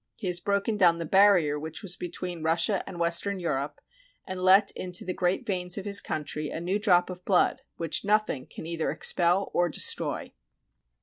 He has broken down the barrier which was between Russia and western Europe, and let into the great veins of his country a new drop of blood which nothing can either expel or destroy.